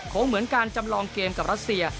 เหมือนการจำลองเกมกับรัสเซีย